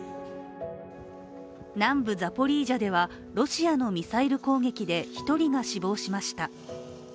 南部ザポリージャではロシアのミサイル攻撃で１人が死亡しました。